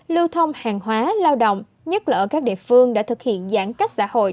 lưu thông hàng hóa lao động nhất lỡ các địa phương đã thực hiện giãn cách xã hội